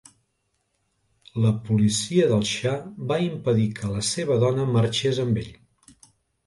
La policia del xa va impedir que la seva dona marxés amb ell.